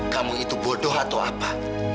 kamu itu bodoh atau apa